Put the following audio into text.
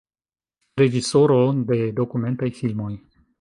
Reĝisoro de dokumentaj filmoj.